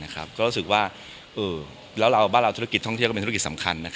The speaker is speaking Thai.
รู้สึกว่าบ้านเราบ้านเท่าไหร่เป็นธุรกิจสำคัญ